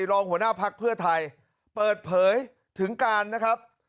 รองหัวหน้าพักเพื่อไทยเปิดเผยถึงการนะครับ